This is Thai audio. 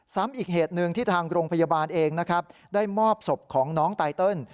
อีกเหตุหนึ่งที่ทางโรงพยาบาลเองนะครับได้มอบศพของน้องไตเติล